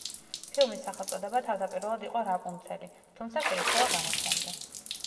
ფილმის სახელწოდება თავდაპირველად იყო „რაპუნცელი“, თუმცა შეიცვალა გამოსვლამდე.